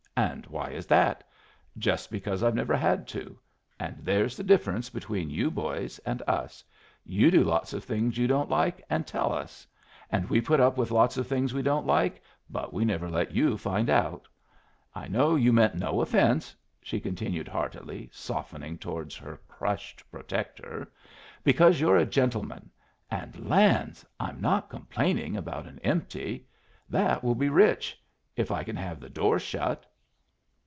And why is that? Just because I've never had to. And there's the difference between you boys and us. You do lots of things you don't like, and tell us. And we put up with lots of things we don't like, but we never let you find out. I know you meant no offense," she continued, heartily, softening towards her crushed protector, "because you're a gentleman. And lands! I'm not complaining about an empty. That will be rich if I can have the door shut."